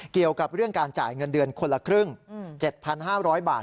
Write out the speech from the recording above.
เกี่ยวกับเรื่องการจ่ายเงินเดือนคนละครึ่ง๗๕๐๐บาท